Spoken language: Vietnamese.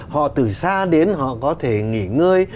họ từ xa đến họ có thể nghỉ ngơi